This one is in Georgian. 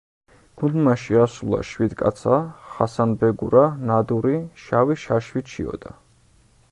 გუნდმა შეასრულა „შვიდკაცა“, „ხასანბეგურა“, „ნადური“, „შავი შაშვი ჩიოდა“.